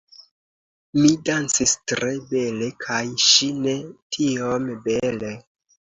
Mi dancis tre bele kaj ŝi ne tiom bele